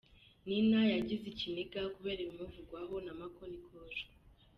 Nina yagize ikiniga kubera ibimuvugwaho na Mako Nikoshwa